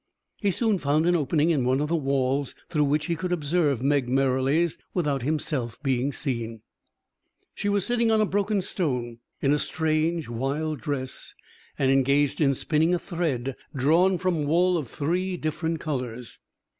He soon found an opening in one of the walls through which he could observe Meg Merrilies without himself being seen. She was sitting on a broken stone, in a strange, wild dress, and engaged in spinning a thread drawn from wool of three different colours.